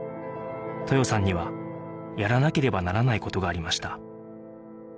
豊さんにはやらなければならない事がありました